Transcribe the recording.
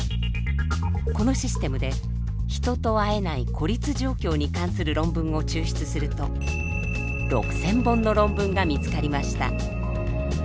このシステムで人と会えない孤立状況に関する論文を抽出すると６，０００本の論文が見つかりました。